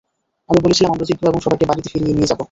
আমি বলেছিলাম, আমরা জিতবো এবং সবাইকে বাড়িতে ফিরিয়ে নিয়ে যাব।